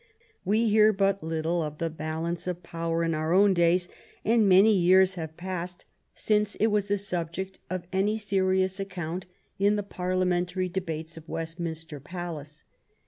We hear but little of the balance of power in our own days, and many years have passed since it was a subject of any serious account in the parliamentary debates of West minster Palace.